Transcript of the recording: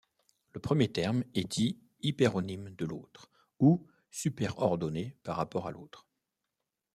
Le premier terme est dit hyperonyme de l'autre, ou superordonné par rapport à l'autre.